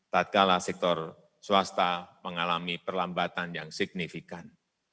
tak kala sektor swasta mengalami perlambatan yang signifikan